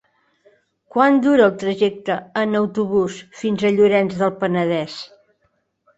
Quant dura el trajecte en autobús fins a Llorenç del Penedès?